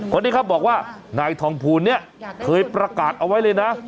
คนนี้ครับบอกว่านายทองภูลเนี่ยเคยประกาศเอาไว้เลยนะ